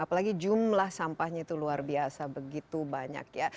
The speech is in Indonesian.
apalagi jumlah sampahnya itu luar biasa begitu banyak ya